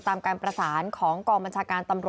ตามการประสานของกองบัญชาการตำรวจ